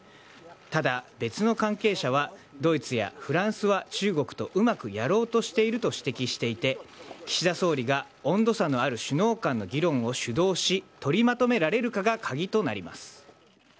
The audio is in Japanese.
ただ、別の関係者は、ドイツやフランスは中国とうまくやろうとしていると指摘していて、岸田総理が温度差のある首脳間の議論を主導し、取りまとめられるかが鍵となります。